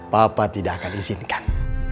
papa tidak akan izinkan